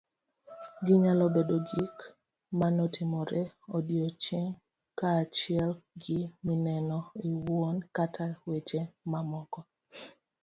Ginyalo bedo gik manotimore odiochieng' , kaachiel gi mineno iwuon kata weche mamoko